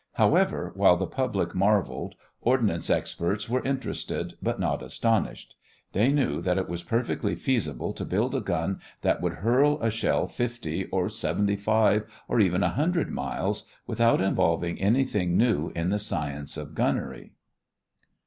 However, while the public marveled, ordnance experts were interested but not astonished. They knew that it was perfectly feasible to build a gun that would hurl a shell fifty, or seventy five, or even a hundred miles, without involving anything new in the science of gunnery.